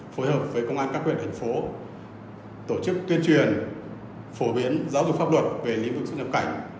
phối hợp với công an các huyện thành phố tổ chức tuyên truyền phổ biến giáo dục pháp luật về lĩnh vực xuất nhập cảnh